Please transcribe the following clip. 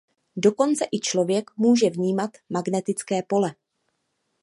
Dokonce i člověk může vnímat magnetické pole.